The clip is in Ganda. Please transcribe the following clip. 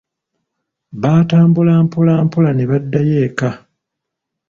Baatambula mpolampola ne baddayo eka.